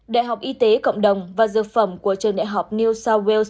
đại học y tế cộng đồng và dược phẩm của trường đại học new south wales